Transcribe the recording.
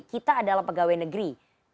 kita adalah pegawai negeri